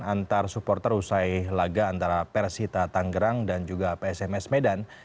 antar supporter usai laga antara persita tanggerang dan juga psms medan